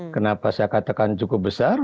kenapa saya katakan cukup besar